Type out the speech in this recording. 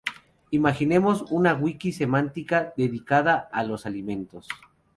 Imaginemos una wiki semántica dedicada a los alimentos.